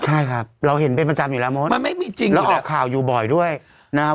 ใช่ครับเราเห็นเป็นประจำอยู่แล้วมดมันไม่มีจริงแล้วออกข่าวอยู่บ่อยด้วยนะครับ